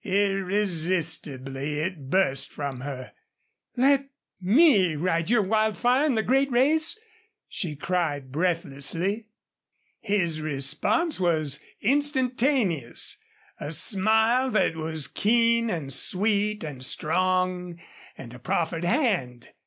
Irresistibly it burst from her. "Let ME ride your Wildfire in the great race?" she cried, breathlessly. His response was instantaneous a smile that was keen and sweet and strong, and a proffered hand.